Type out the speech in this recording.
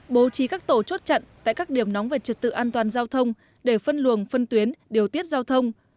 bố trí các tổ chốt chặn tại các điểm nóng về trật tự an toàn giao thông để phân luồng phân tuyến điều tiết giao thông